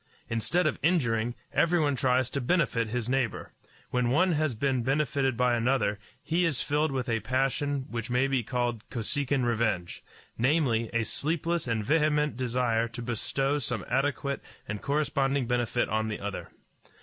Instead of injuring, everyone tries to benefit his neighbor. When one has been benefited by another, he is filled with a passion which may be called Kosekin revenge namely, a sleepless and vehement desire to bestow some adequate and corresponding benefit on the other.